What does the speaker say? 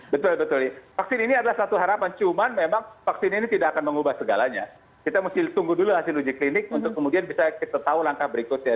betul betul vaksin ini adalah satu harapan cuman memang vaksin ini tidak akan mengubah segalanya kita mesti tunggu dulu hasil uji klinik untuk kemudian bisa kita tahu langkah berikutnya